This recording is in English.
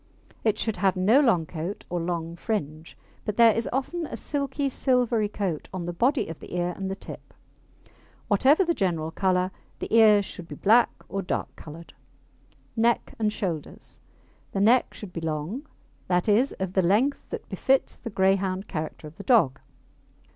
It should have no long coat or long fringe, but there is often a silky, silvery coat on the body of the ear and the tip. Whatever the general colour, the ears should be black or dark coloured. NECK AND SHOULDERS The neck should be long that is, of the length that befits the Greyhound character of the dog.